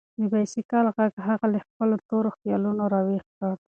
د بایسکل غږ هغه له خپلو تورو خیالونو راویښ کړ.